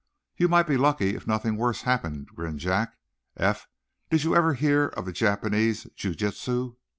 "You might be lucky if nothing worse happened," grinned Jack. "Eph, did you never hear of the Japanese jiu jitsu?"